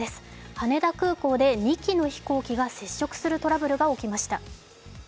羽田空港で２機の飛行機が接触するトラブルが起きました。